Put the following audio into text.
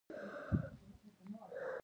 خو دوی له هېڅ ډول تولیدي وسایلو برخمن نه دي